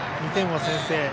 ２点を先制。